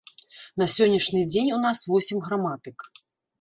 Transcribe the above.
На сённяшні дзень у нас восем граматык.